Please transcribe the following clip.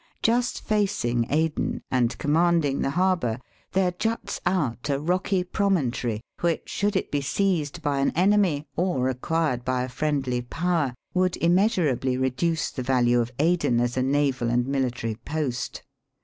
Just facing Aden, and commanding the harbour, there just out a rocky promontory which, should it be seized by an enemy or acquired by a friendly Power, would immeasurably reduce the value of Aden as a naval and military post.